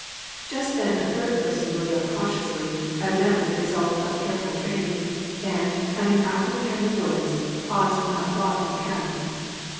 Just then a third person rode up cautiously — evidently the result of careful training — and, coming out from behind the woods, paused not far from the count.